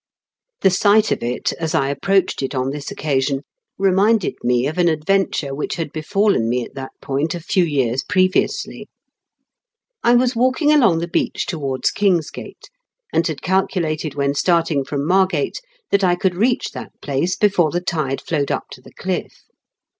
The sight of it, as I approached it on this occasion, reminded me of an adventure which had befallen me at that point a few years previously. I was walking along the beach towards Kingsgate, and had calculated when starting from Margate that I could reach that place before the tide flowed up to the r^liff